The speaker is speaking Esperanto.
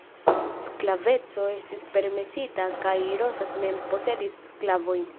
Sklaveco estis permesita kaj Rosas mem posedis sklavojn.